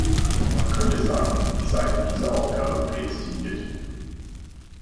Man könnte sagen, ich sei für diese Aufgabe prädestiniert.